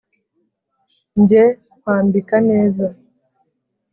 Njye nkwambika neza